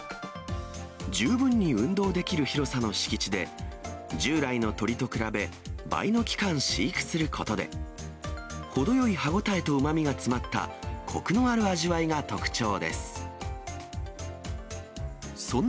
十分に運動できる広さの敷地で、従来の鶏と比べ、倍の期間飼育することで、程よい歯応えとうまみが詰まったこくのある味わいが特徴です。